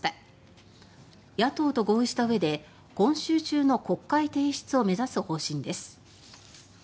野党と合意したうえで、今週中の国会提出を目指す方針です。